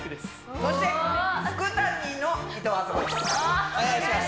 そして副担任のいとうあさこです。